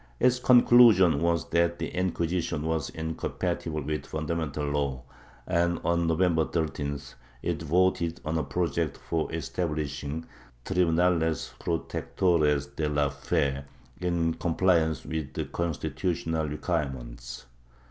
Its conclusion was that the Inquisition was incompatible with the fundamental law and, on November 13th, it voted on a project for establishing "Tribunales protectores de la fe" in compliance with the constitutional requirements.